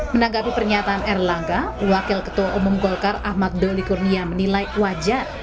menanggapi pernyataan erlangga wakil ketua umum golkar ahmad doli kurnia menilai wajar